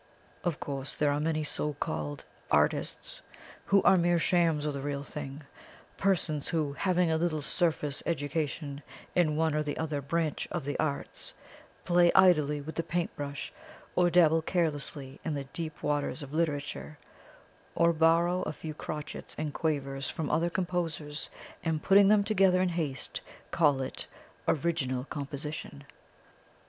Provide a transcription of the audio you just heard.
Of course there are many so called 'ARTISTS' who are mere shams of the real thing; persons who, having a little surface education in one or the other branch of the arts, play idly with the paint brush, or dabble carelessly in the deep waters of literature, or borrow a few crotchets and quavers from other composers, and putting them together in haste, call it ORIGINAL COMPOSITION.